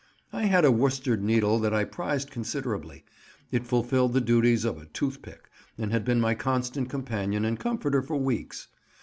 I had a worsted needle that I prized considerably; it fulfilled the duties of a toothpick, and had been my constant companion and comforter for weeks.